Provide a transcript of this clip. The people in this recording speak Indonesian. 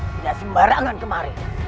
tidak sembarangan kemarin